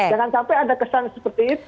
jangan sampai ada kesan seperti itu